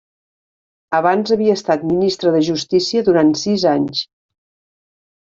Abans havia estat Ministre de Justícia durant sis anys.